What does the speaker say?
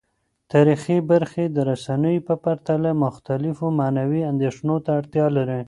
تاریخي برخې د رسنیو په پرتله مختلفو معنوي اندیښنو ته اړتیا لري.